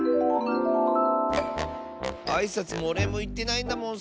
あいさつもおれいもいってないんだもん